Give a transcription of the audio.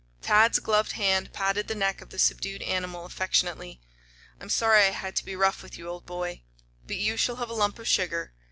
Tad's gloved hand patted the neck of the subdued animal affectionately. "I'm sorry I had to be rough with you, old boy, but you shall have a lump of sugar.